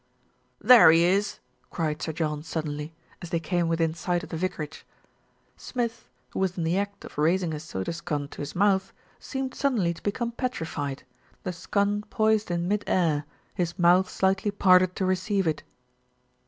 "There he is !" cried Sir John suddenly, as they came within sight of the vicarage. Smith, who was in the act of raising a soda scone to his mouth, seemed sud denly to become petrified, the scone poised in mid air, his mouth slightly parted to receive it.